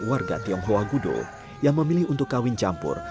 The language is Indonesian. warga tionghoa gudo yang memilih untuk kawin campur